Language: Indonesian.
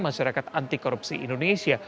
masyarakat antikorupsi indonesia